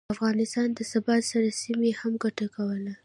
د افغانستان د ثبات سره، سیمې هم ګټه کوله